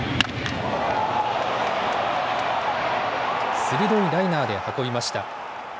鋭いライナーで運びました。